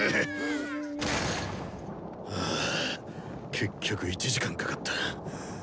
結局１時間かかった。